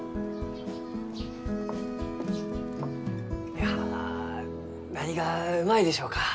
いや何がうまいでしょうか？